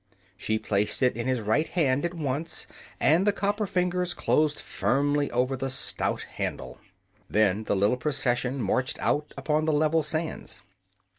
She placed it in his right hand at once, and the copper fingers closed firmly over the stout handle. Then the little procession marched out upon the level sands.